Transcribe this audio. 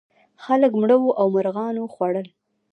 خلک مړه وو او مرغانو خوړل.